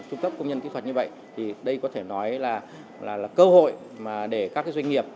trung cấp công nhân kỹ thuật như vậy thì đây có thể nói là cơ hội mà để các doanh nghiệp